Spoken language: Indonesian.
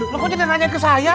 lo kok jangan nanya ke saya